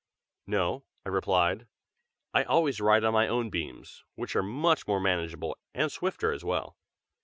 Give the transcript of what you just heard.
"No!" I replied. "I always ride on my own beams, which are much more manageable, and swifter as well.